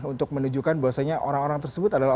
untuk menunjukkan bahwasanya orang orang tersebut adalah